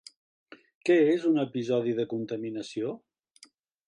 Què és un episodi de contaminació?